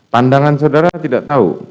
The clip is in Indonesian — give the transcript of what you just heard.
pandangan saudara tidak tahu